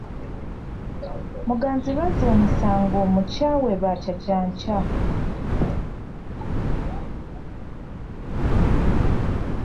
Muganzirwazza omusango omukyawe lwakyakyankya.